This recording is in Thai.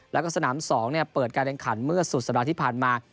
แล้วก็สนาม๒เปิดการแข่งขันเมื่อสุดสัปดาห์ที่ผ่านมา